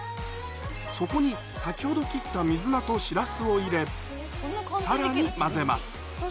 そこに先ほど切った水菜としらすを入れさらに混ぜます